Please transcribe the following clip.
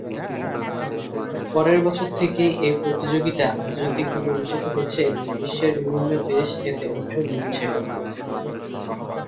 পরের বছর থেকেই এ প্রতিযোগিতা আন্তর্জাতিক ভাবে অনুষ্ঠিত হচ্ছে এবং বিশ্বের বিভিন্ন দেশ এতে অংশ নিচ্ছে।